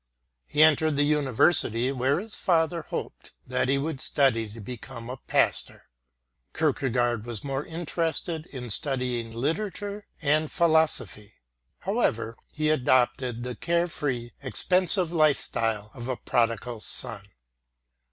He entered the University, where his father hoped that he would study to become a pastor. Kierkegaard was more interested in studying literature and philosophy, however, and he adopted the carefree, expensive lifestyle of a prodigal son.